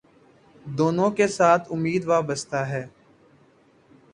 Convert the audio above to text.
دونوں کے ساتھ امید وابستہ ہے